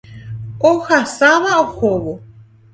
Ohasáva ohóvo.